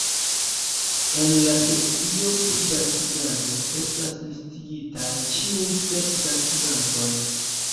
En la sekcio pri gastigado estas listigitaj ĉiuj sep gastigantoj.